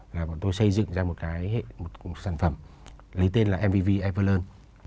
và bọn tôi xây dựng ra một sản phẩm lấy tên là mvv evalon